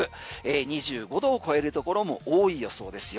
２５度を超えるところも多い予想ですよ。